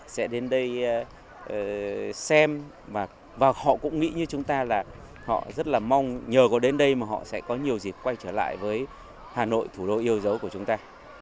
sẽ đến đây xem và họ cũng nghĩ như chúng ta là họ rất là mong nhờ có đến đây mà họ sẽ có nhiều dịp quay trở lại với hà nội thủ đô yêu dấu của chúng ta